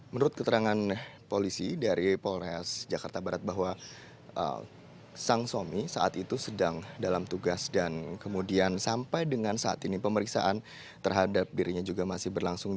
menurut keterangan polisi dari polres jakarta barat bahwa sang suami saat itu sedang dalam tugas dan kemudian sampai dengan saat ini pemeriksaan terhadap dirinya juga masih berlangsung